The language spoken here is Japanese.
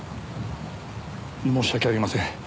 申し訳ありません。